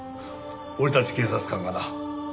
俺たち警察官がな。